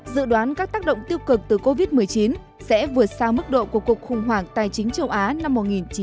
dự đoán các tác động tiêu cực từ covid một mươi chín sẽ vượt xa mức độ của cuộc khủng hoảng tài chính châu á năm một nghìn chín trăm bảy mươi năm